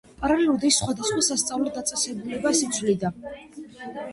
პარალელურად ის სხვადასხვა სასწავლო დაწესებულებას იცვლიდა.